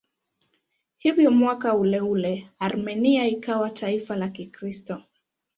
Hivyo mwaka uleule Armenia ikawa taifa la Kikristo.